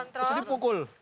terus ini pukul